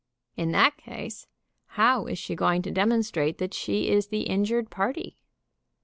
In that case, how is she going to demonstrate that she is the injured party